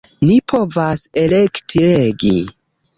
Ni povas elekti legi.